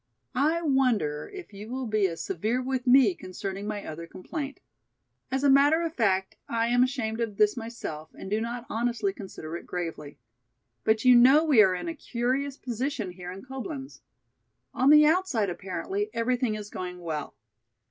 "I wonder if you will be as severe with me concerning my other complaint. As a matter of fact I am ashamed of this myself and do not honestly consider it gravely. But you know we are in a curious position here in Coblenz. On the outside apparently everything is going well.